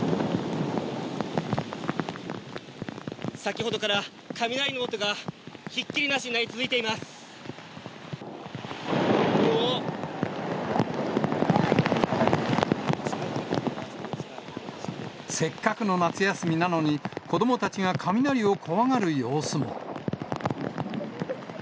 先ほどから雷の音がひっきりせっかくの夏休みなのに、子どもたちが雷を怖がる様子も。